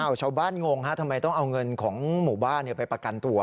ชาวบ้านงงฮะทำไมต้องเอาเงินของหมู่บ้านไปประกันตัว